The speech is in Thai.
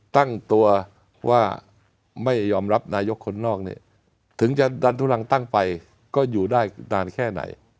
ตั้งตัวว่าไม่ยอมรับนายกคนนอกเนี่ยถึงจะดันทุลังตั้งไปก็อยู่ได้นานแค่ไหน